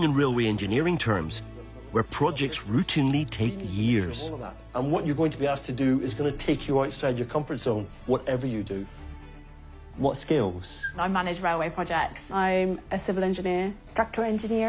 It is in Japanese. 構造エンジニア。